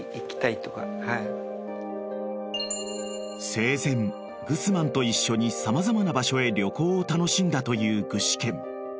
［生前グスマンと一緒に様々な場所へ旅行を楽しんだという具志堅］